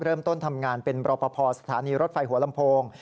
เริ่มต้นทำงานเป็นบริษัทสถานีรถไฟหัวลำโพง